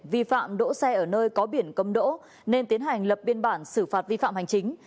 vi phạm đỗ xe ở nơi có biển cấm đỗ nên tiến hành lập biên bản xử phạt vi phạm hành chính